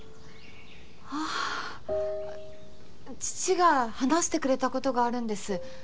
ああ父が話してくれたことがあるんです。